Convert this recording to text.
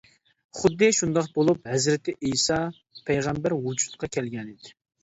خۇددى شۇنداق بولۇپ ھەزرىتى ئەيسا پەيغەمبەر ۋۇجۇدقا كەلگەنىدى.